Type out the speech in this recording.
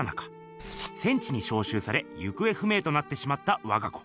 戦地にしょうしゅうされ行方不明となってしまったわが子。